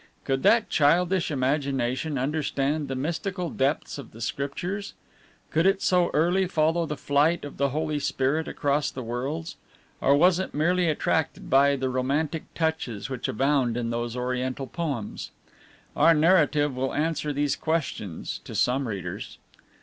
Could that childish imagination understand the mystical depths of the Scriptures? Could it so early follow the flight of the Holy Spirit across the worlds? Or was it merely attracted by the romantic touches which abound in those Oriental poems! Our narrative will answer these questions to some readers.